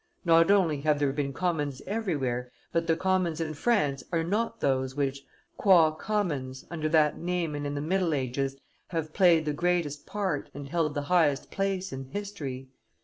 Not only have there been commons everywhere, but the commons in France are not those which, qua commons, under that name and in the middle ages, have played the greatest part and held the highest place in history.